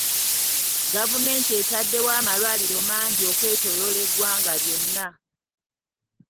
Gavumenti etaddewo amalwaliro mangi okwetooloola eggwanga lyonna.